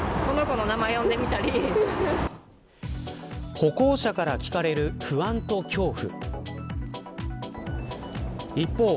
歩行者から聞かれる不安と恐怖。